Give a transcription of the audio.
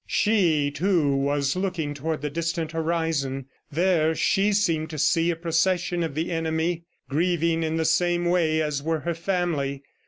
She, too, was looking toward the distant horizon. There she seemed to see a procession of the enemy, grieving in the same way as were her family.